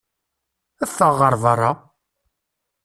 Ffeɣ ɣer berra!